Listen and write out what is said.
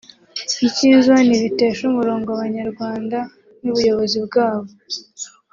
Icyiza ntibitesha umurongo abanyarwanda n’ubuyobozi bwabo